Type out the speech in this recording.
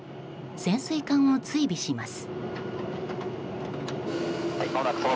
潜水艦を追尾します。